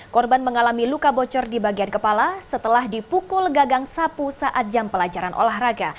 korban mengalami luka bocor di bagian kepala setelah dipukul gagang sapu saat jam pelajaran olahraga